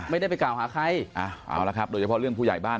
ไม่ได้ไปกล่าวหาใครเอาละครับโดยเฉพาะเรื่องผู้ใหญ่บ้าน